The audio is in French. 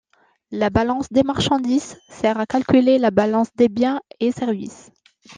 La balance des marchandises sert à calculer la balance des biens et services.